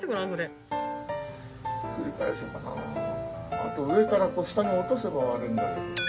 あと上からこう下に落とせば割れるんだけど。